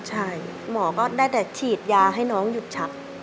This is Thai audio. ใช่หมอก็ได้แต่ฉีดยาให้น้องหยุดชัก